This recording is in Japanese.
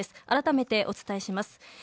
改めてお伝え致します。